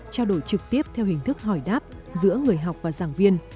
trao đổi trực tiếp theo hình thức hỏi đáp giữa người học và giảng viên